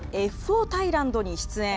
タイランドに出演。